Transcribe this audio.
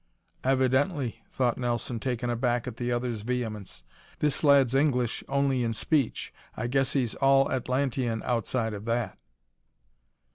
"Evidently," thought Nelson, taken aback at the other's vehemence, "this lad's English only in speech. I guess he's all Atlantean outside of that."